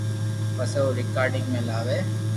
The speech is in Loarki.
پسي او رآڪارد ۾ لاوي